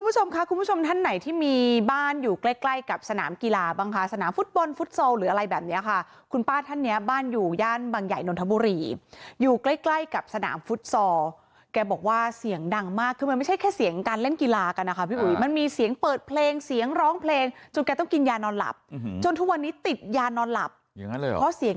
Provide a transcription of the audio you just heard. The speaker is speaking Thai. คุณผู้ชมค่ะคุณผู้ชมท่านไหนที่มีบ้านอยู่ใกล้ใกล้กับสนามกีฬาบ้างคะสนามฟุตบอลฟุตซอลหรืออะไรแบบเนี้ยค่ะคุณป้าท่านเนี้ยบ้านอยู่ย่านบางใหญ่นนทบุรีอยู่ใกล้ใกล้กับสนามฟุตซอลแกบอกว่าเสียงดังมากคือมันไม่ใช่แค่เสียงการเล่นกีฬากันนะคะพี่อุ๋ยมันมีเสียงเปิดเพลงเสียงร้องเพลงจนแก